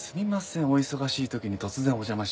お忙しい時に突然お邪魔しちゃって。